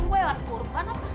gue warung kurban apa